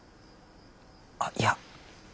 あっいや